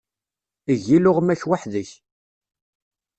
Eg iluɣma-k weḥd-k.